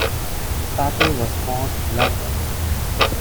Packer was born in London.